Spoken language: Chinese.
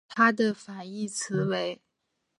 它的反义词为。